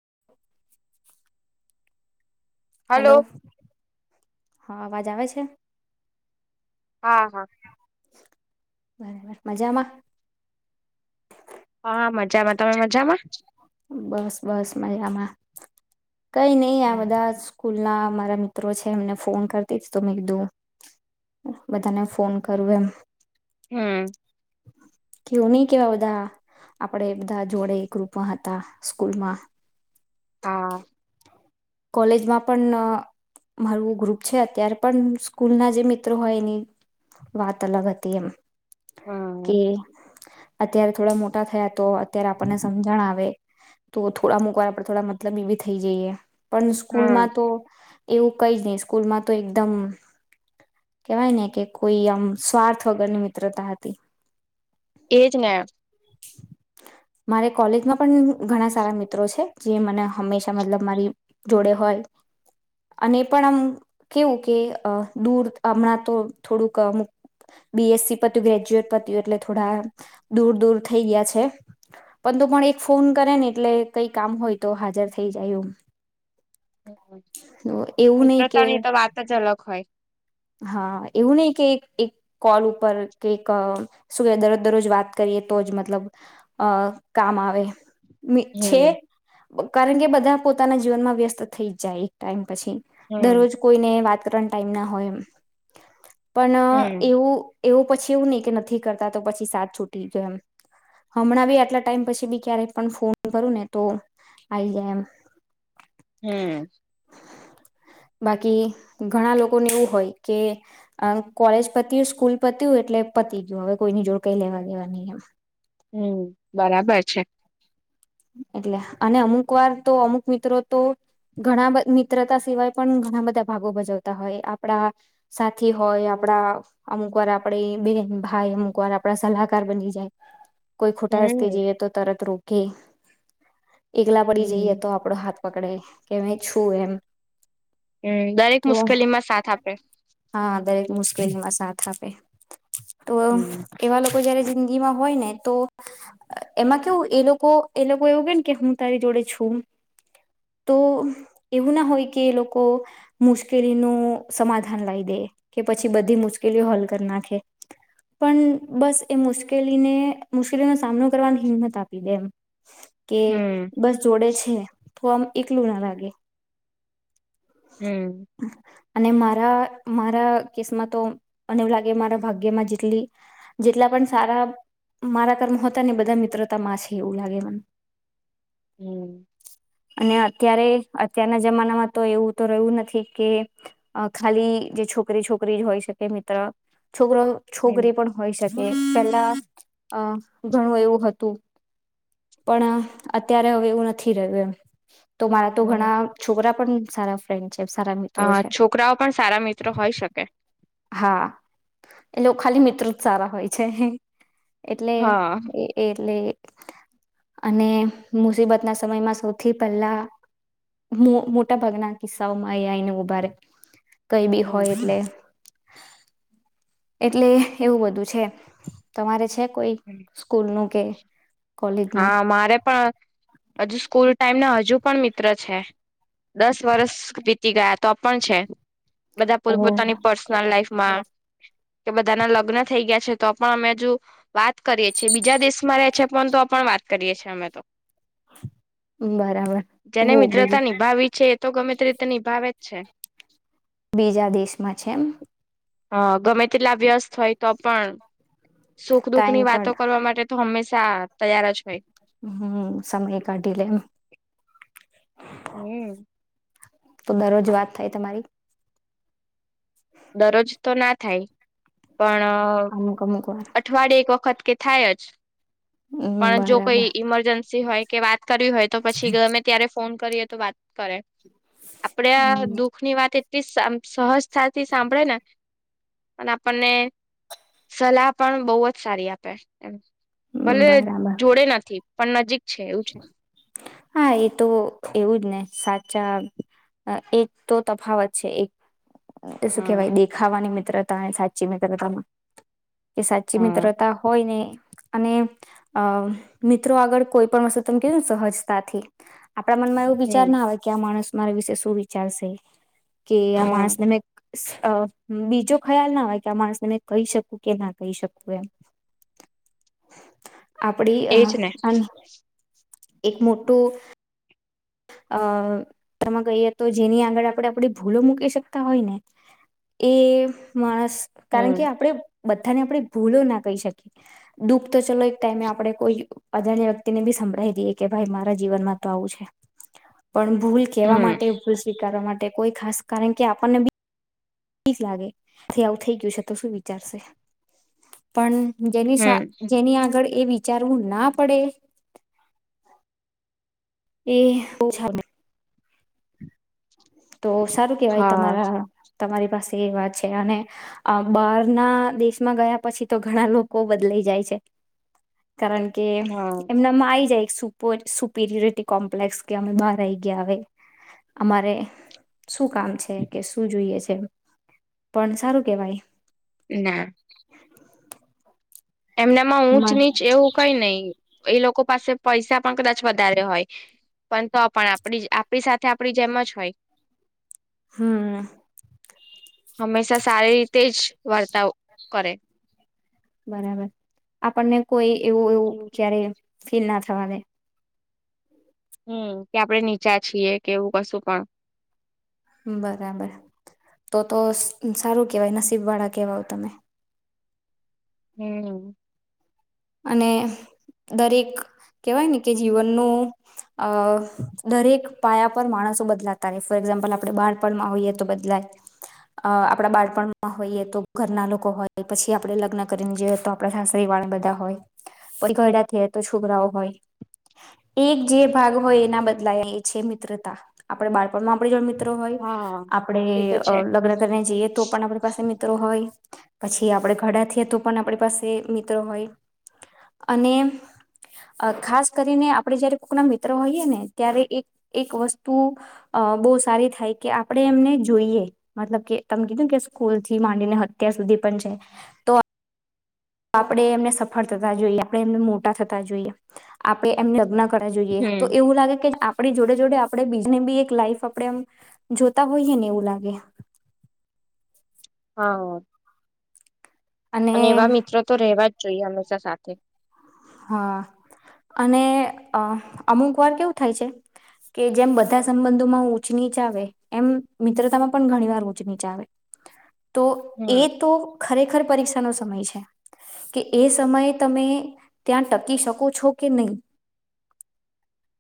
[inaudible] Hello. હા અવાજ આવે છે. હા હા બરાબર મજામાં હાા મજામાં તમે મજામાં બસ બસ મજામાં કઈ નઈ આ બધા સ્કૂલ ના મારા મિત્રો છે એમને ફોન કરતી જ તો મેં કીધું બધાને ફોન કરવું એમ હમ કેવું નઈ કેવા બધા આપડે બધા જોડે એક રૂપમાં હતા સ્કૂલમાં હા કોલેજમાં પણ મારું ગ્રુપ છે અત્યારે પણ સ્કૂલના જે મિત્રો હોય એની વાત અલગ હતી એમ કે હમ અત્યારે થોડા મોટા થયા તો અત્યારે આપણને સમજણ આવે તો થોડા અમુક વાર થોડા મતલબ એ બી થઈ જઈએ પણ હમ સ્કૂલમાં તો એવું કઈ જ નહી સ્કૂલમાં તો એકદમ કેવાય ને કે કોઈ આમ સ્વાર્થ વગરની મિત્રતા હતી એ જ મારે કોલેજમાં પણ ઘણા સારા મિત્રો છે. જે મને હંમેશા મતલબ મારી જોડે હોય અને પણ આમ કેવું કે દૂર હમણાં તો થોડુંક અમુક બીએસસી પતું ગ્રેજ્યુએટ પતું એટલે થોડા દૂર દૂર થઈ ગયા છે, પણંતુ પણ એક ફોન કરે ને એટલે કઈ કામ હોય તો હાજર થઈ જાય. એવું નહી કે મિત્રતાની તો વાત જ અલગ હોય. હા એવું નહી કે એક કોલ ઉપર કે એક શું કેય દરજ દરરોજ વાત કરીએ તો જ મતલબ અ કામ આવે. છે. હમ કારણ કે બધા પોતાના જીવનમાં વ્યસ્ત થઈ જ જાય એક ટાઈમ પછી હમ દરરોજ કોઈને વાત કરટ ટાઈમના હોય એમ પણ હમ એવું એવું પછી એવું નહી કે નથી કરતા તો પછી સાત છૂટી જાય એમ હમણાં બી આટલા ટાઈમ પછી બી ક્યારેય પણ ફોન કરું ને તો આઈ જાય એમ હમ્મ. બાકી ઘણા લોકોને એવું હોય. કે કોલેજ પતીયું સ્કૂલ પતયું એટલે પતી ગયું હવે કોઈની જોડ કઈ લેવા દેવા નહી એમ હમ્મ બરાબર છે. એટલે અને અમુક વાર તો અમુક મિત્રો તો ઘણા મિત્રતા સિવાય પણ ઘણા બધા ભાગો ભજવતા હોય આપડા સાથી હોય આપડા અમુક વાર આપણે બેન ભાઈ અમુક વાર આપડા સલાહકાર બની જાય. કોઈ ખુટા હસતે હમ જઈએ તો તરત રોક કે એકલા પડી જઈએ હમ તો આપડો હાથ [inaudible] પકડે કે છું એમ હમ દરેક તો મુશ્કેલી માં સાથ આપે કવા સાથ આપે. તો હમ એવા લોકો જયારે ગીમા હોય ને તો એમાં કેવું એ લોકો એ લોકો એવું કેને કે હું તારી જોડે છું, તો એવું ના હોય કે એ લોકો મુશ્કેલીનું સમાધાન લાવ દે કે પછી બધી મુશ્કેલીઓ હલ કરી નાખે, પણ બસ એ મુશ્કેલીને મુશ્કેલીનો સામનો કરવાની હિંમત આપી દે એમ કે હમ બસ જોડે છે. તો આમ એકલું ના લાગે હમ્મ. અને મારા મારા કેસમાં તો મને એવું લાગે મારા ભાગ્યમાં જેટલી જેટલા પણ સારા મારા કર્મતા ને બધા મિત્રતામાં છે, એવું લાગે મને હમ્મ. અને અત્યારે અત્યારના જમાનામાં તો એવું તો રહ્યું નથી કે ખાલી જે છોકરી છોકરી જ હોય, શકે મિત્ર છોકરો હમ છોકરી પણ હોય શકે પેલા અ ઘણું એવું હતું પણ અત્યારે હવે એવું નથી, રહ્યું એમ તો મારા તો હમ ઘણા છોકરા પણ સારા ફ્રેન્ડ છે સારા મિત્રો હા છે છોકરાઓ પણ સારા મિત્રો હોય શકે હા એ લોકો ખાલી મિત્ર જ સારા હોય છે, એટલે હા એટલે અને મુસીબત ના સમયમાં સૌથી પહેલા મોટા ભાગના સમાંઈને ઉભારે કઈ બી હમ હોય એટલે એટલે એવું બધું છે, તમારે છે? કોઈ સ્કૂલ નુ? ઓકે હા મારે પણ હજુ સ્કૂલ ટાઈમ ના હજુ પણ મિત પ છે દસ વર્ષ વીતી ગયા તો પણ છે, બધા પો ઓહ પોતાની પર્સનલ લાઈફમાં કે બધાના લગ્ન થઈ ગયા છે, તો પણ અમે હજુ વાત કરીએ છીએ બીજા દેશ મારે્યા છે પણ તો પણ વાત કરીએ છીએ, અમે તો બરાબર જેને ઓહ બીજું મિત્રતા નિભાવી છે, તો ગમે તે રીતે નિભાવે જ છે, બીજા દેશમાં છે, એમ હા ગમે તેટલા વ્યસ્ત હોય તો પણ સુખ દુઃખ ટાઈમ ની વાતો કાઢ કરવા માટે તો હંમેશા ચાર તૈયાર જ કઈ હમ સમય કઢલેમ હમ તો દરરોજ વાત થાય તમારી દરરોજ તો ના થાય પણ અમુક અમુક વાર અઠવાડિયે એક વખત કે થાય જ હમ પણ જો બરાબર કોઈ ઈમરજન્સી હોય કે વા કરવી હોય તો પછી ગમે ત્યારે ફોન કરીએ તો વાત કરે આપડે હમ દુઃખ ની વાત સહજ થાય થી સાંભળે ને અને આપણને સલાહ પણ બહુ જ સારી આપે એ ભલે બરાબર જોડે નથી પણ નજીક છે એવું છે હા! એ તો એવું જ ને સાચ ચા એક તો તફાવત છે એક શું હમ કેવાય દેખાવાની મી ત્રતા ને સાચી મિત્રતામાં. કે, સાચી હા મિત્રતા હોય ને અને અ મિત્રો આગળ કોઈ પણ હસુ તમ કે સહસતાથી આપણા મનમાં એવું વિચાર હમ ના આવે કે, આ માણસ મારા વિશે શું વિચારશે? કે આ હા માણસને મે અ બીજો ખયાલ ના આવે કે આ માણસને મેં કઈ શકું કે ના કઈ શકું એમ. આપડી અહ એજ ને હન એક મોટું અ ત્રમાં કહીએ તો જેની આગળ આપણે આપણી ભૂલો મૂકી શકતા હોય ને એ માણસ કારણ કે હમ આપડે બધાને આપણે ભૂલો ના કઈ શકીએ. દુઃખ તો ચલો એક ટાઈમે આપણે કોઈ અજાણ્યા વ્યક્તિને બી સંભળાવી દઈએ કે ભાઈ મારા જીવનમાં તો આવું છે. પણ ભૂલ કહેવા હમ માટે, ભૂલ સ્વીકારવા માટે કોઈ ખાસ કારણ કે આપણને બી પીસ લાગે છે આવું થઈ ગયું છે તો શું વિચારશે? પણ જેની સા હમ જેની આગળ એ વિચારવું ના પડે? એ બો છે. તો સારું કેવાય હા તમારા તમારી પાસે એ વાત છે અને અ બહારના દેશમાં ગયા પછી તો ઘણા લોકો બદલાઈ જાય છે. કારણ કે, હા એમનામાં આઈ જાય સુપર સુપિરરિટી કોમ્પ્લેક્સ કે અમે બહાર આઈ ગયા આવે અમારે શું કામ છે? કે શું જોઈએ છે? પણ સારું કેવાય. ના એમનામાં ઊંચ-નીચ એવું કંઈ નઈ. એ લોકો પાસે પૈસા પણ કદાચ વધારે હોય, પણ તો પણ આપણી આપણી સાથે આપડી જેમ જ હોય. હમ હંમેશા સારી રી તે જ વર્તાવ કરે. બરાબર આપણને હોય એવું એવું ક્યારે ફીલ ના થવા દે હમ કે આપડણે નીચા છીએ કે એવું કશું પણ બરાબર તો તો સારું કેવાય નસીબ વાળા કેવાય તમે હમ અને દરેક કેહેવાય ને કે જીવનનું અ દરેક પાયા પર માણસો બદલાતા રહે ફોર એક્ઝામ્પલ આપણે બાળપણમાં હોઈએ તો બદલાય અ આપણા બાળપણમાં હોઈએ તો ઘરના લોકો હોય પછી આપણે લગ્ન કરીને જોઈએ તો આપ સાસતરે વાળા બધા હોય [unintelligible] તો છોકરાઓ હોય એક જે ભાગ હોય એના બદલાય એ છે મિત્રતા આપણે બાળપણમાં આપ જો મ્ર મિત્ર હોય હા આપણે એ તો છે લગ્ન કરીને જઈએ તો પણ આપણી પાસે મિત્રો હોય પછી આપડે ઘડાથઈએ તો પણ આપણી પાસે મિત્ર હોય અને ખાસ કરીને આપણે જયારે કોકના મિત્ર હોઈએ ને ત્યારે એક એક વસ્તુ બો સારી થાય કે આપણે એમને જોઈએ મતલબ કે તમને કીધું કે સ્કૂલ થી માંડીને હતીયા સુધી પણ છે તો આપડે એમને સફળ થતા જોઈએ આપણે એમને મોટા થતા જોઈએ આપણે એમને અગૅન જોઈએ તો હમ એવું લાગે કે આપણી જોડે જોડે આપડે બીજને ભી એક લાઈફ આપણેે એમ જોતા હોઈએ ને એવું લાગે હા અને એવા મિત્રો તો રેવા જોઈએ હંમેશા સાથે હા અને અમુક વાર કેવું થાય છે કે જેમ બધા સંબંધોમાં ઊંચ નીચ આવે એમ મિત્રતામાં પણ ઘણી વાર ઊંચ નીચ આવે તો એ હમ તો ખરેખર પરીક્ષા [unintelligible] સમય છે કે એ સમય તમે ત્યાં ટકી શકો છો કે નહી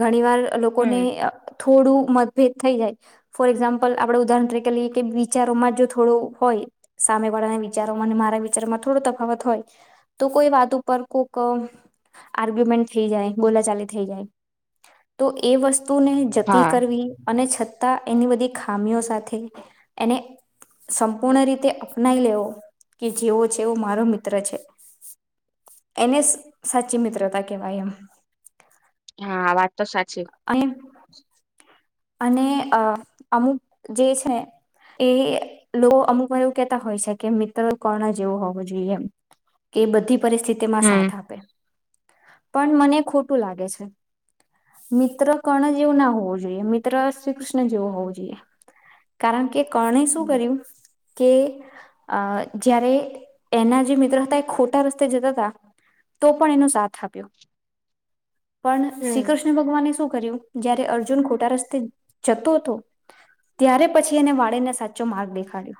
ઘણી વાર લોકોને હમ થોડું મતભેદ થઈ જાય ફોર એક્ઝામ્પલ આપણેે ઉદાહરણ તરીકે લઈએ કે વિચારોમાં જો થોડું હોય સામે વાળાના વિચારોમાં અને મારા વિચારોમાં થોડો તફાવત હોય તો કોઈ વાત ઉપર કો ક આર્ગ્યુમેન્ટ થઈ જાય બોલાચાલી થઈ જાય તો એ વસ્તુ તુ ને જતી હા કરવી અને છ તા એની બધી ખામીઓ સાથે એને સંપૂર્ણ રીતે અપનાઇ લેવો કે જેવો છે એવો મારો મિત્ર છે એને જ સાચી મિત્રતા કેવાય એમ હા વાત તો સાચી અને અને અમુક જે છે એ લોકો અમુક એવું કેહેતા હોય છે કે મિત્ર કોના જેવો હોવો જોઈએ એમ કે બધી પરિસ્થિતિ માં હમ સાથ આપે પણ મને ખોટું લાગે છે મિત્ર કણૅ જેવો ના હોવું જોઈએ મિત્ર શ્રી કૃષ્ણ જેવો હોવો જોઈએ કારણ કે કર્ણે શું કર્યું કે જયારે એના જે મિત્ર હતા એ ખોટા રસ્તે જતા હતા તો પણ એનો સાથ આપ્યો પણ શ્રી હમ કૃષ્ણ ભગવાનને શું કર્યું જ્યારે અર્જુન ખોટા રસ્તા તે જતો હતો ત્યારે પછી એને વાળેને સાચો માર્ગ દેખાડ્યો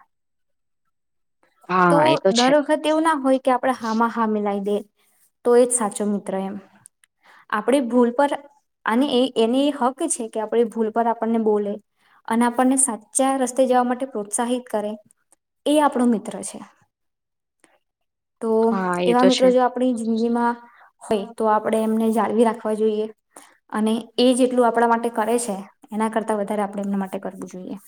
તો હા એ છે દર વખતે એવું ના હોય કે આપડે હામાં હા મિલાવી દે તો એજ સાચો મિત્ર એમ આપડી ભૂલ પર [unintelligible] હક છે કેઆ આપડી ભૂલ પર આપણને બોલે અને આપણને સાચા રસ્તે જવા માટે પ્રોત્સાહિત કરે એ આપણો મિત્ર છે તો હા એ એવા તો મિત્રો છે જો આપણી જિંદગીમાં હોય તો આપણે એમને જાળવી રાખવા જોઈએ અને એ જેટલું આપણા માટે કરે છે એના કરતા વધારે આપણે એમના માટે કરવું જોઈએ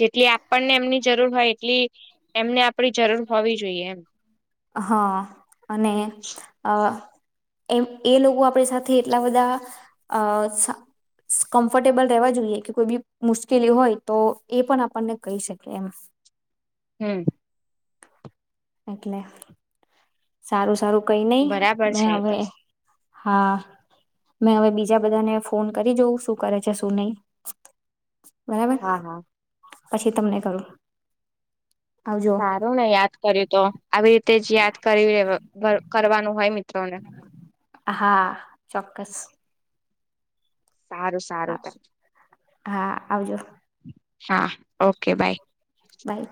જેટલી આપણને એમની જરૂર હોય એટલી એમને આપડી જરૂર હોવી જોઈએ એમ હા અને આ એમ એ લોકો આપણી સાથે એટલા બધા અ કમ્ફર્ટેબલ રહેવા જોઈએ કે કોઈ બી મુશ્કેલી હોય તો એ પણ આપણને કહી શકી એમ હમ એટલે સારું સારું કઈ નહી બરાબર મે છે એ તો હવે હા મેં હવે બીજા બધાને ફોન કરી જોઉ શું કરે છે શું નહી બરાબર હા હા પછી તમને કરું આવજો સારું ને યાદ કર્યું તો આવી રીતે જ યાદ કર કરી [unintelligible] કરવાનું હોય મિ હા ચોક્કસ સારું સારું આવ- તાર હા આવજો હા ઓકે બાય બાઈ